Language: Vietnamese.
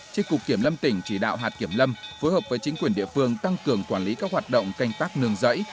trên cục kiểm lâm tỉnh chỉ đạo hạt kiểm lâm phối hợp với chính quyền địa phương tăng cường quản lý các hoạt động canh tác nương rẫy